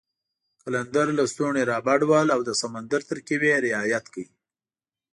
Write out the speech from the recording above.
قلندر لسټوني را بډ وهل او د سمندر ترکیب یې رعایت کړ.